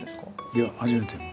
いや初めて。